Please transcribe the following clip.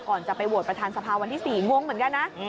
ก่อนจะไปโหวตประธานสภาวันที่๔งงเหมือนกันนะ